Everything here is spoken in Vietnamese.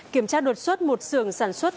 kiểm tra đột xuất một sường sản xuất